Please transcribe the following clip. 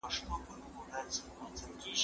کېدای سي لیکل ستونزي ولري!؟